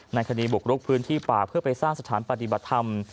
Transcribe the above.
ในคดีบุกรุกพื้นที่ป่าเพื่อไปสร้างสถานปฏิบัติธรรม